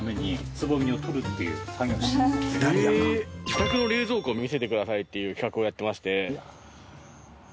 自宅の冷蔵庫を見せてくださいっていう企画をやってまして。